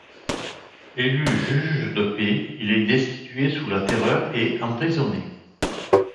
Élu juge de paix, il est destitué sous la Terreur et emprisonné.